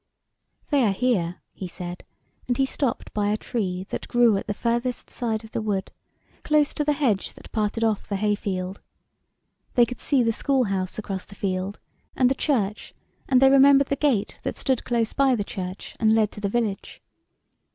" They are here," he said, and he stopped by a tree that grew at the farthest side of the wood, close to the hedge that parted off the hayfield. They could see the schoolhouse across the field, and the church, and they remembered the gate that stood close by the church and led to the village.